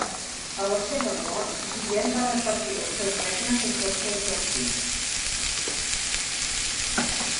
A la seva mort, Guillem va repartir els seus regnes entre els seus dos fills.